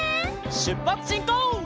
しゅっぱつしんこう！